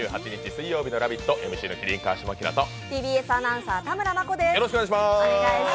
水曜日の「ラヴィット！」、ＭＣの麒麟・川島明とＴＢＳアナウンサー・田村真子です。